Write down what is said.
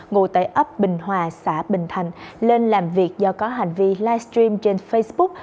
ngồi tại ấp bình hòa xã bình thành lên làm việc do có hành vi livestream trên facebook